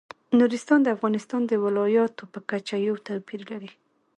نورستان د افغانستان د ولایاتو په کچه یو توپیر لري.